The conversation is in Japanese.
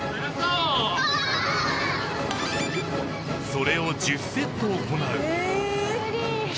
［それを１０セット行う］